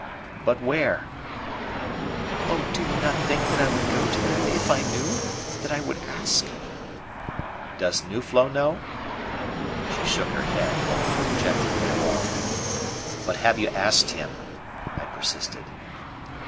"But where?" "Oh, do you not think that I would go to them if I knew that I would ask?" "Does Nuflo know?" She shook her head, walking dejectedly along. "But have you asked him?" I persisted.